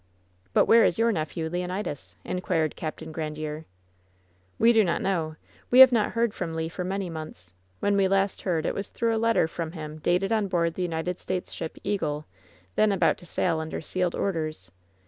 But where is your nephew, Leonidas?" inquired Capt Grandiere. "We do not know. We have not heard from Le for many months. When we last heard it was through a letter from him dated on board the United States ship Eagle, then about to sail under sealed orders.